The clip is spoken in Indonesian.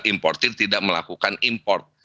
importir tidak melakukan import